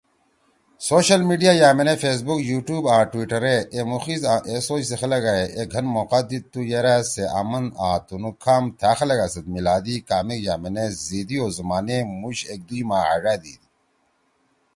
سوشل میڈیا یأمینے فیس بک، یوٹیوب آں ٹُوئٹر ئے اے مخیز آں اے سوچ سی خلگا ئے اے گھن موقع دیِدتُو یرأ سے آمن آں تُنُو کھام تھأ خلگا سیت میِلادی کامیک یأمینے زیِدی او زُومانے مُوش ایکدُوئی ما ہأڙادتی۔